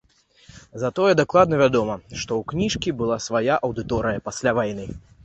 Затое дакладна вядома, што ў кніжкі была свая аўдыторыя пасля вайны.